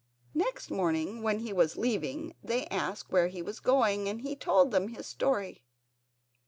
Next morning when he was leaving they asked where he was going and he told them his story.